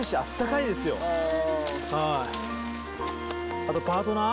あはいあとパートナー？